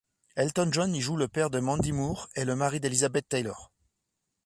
Elton John y joue le père de Mandy Moore et le mari d'Elizabeth Taylor.